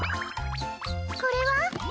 これは？